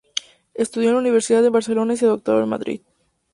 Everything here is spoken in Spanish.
Estudió en la Universidad de Barcelona y se doctoró en Madrid.